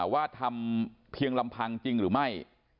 ว่าทำเพียงลำพังจริงหรือไม่